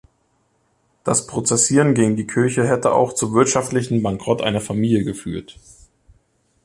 Das Prozessieren gegen die Kirche hätte auch zum wirtschaftlichen Bankrott einer Familie geführt.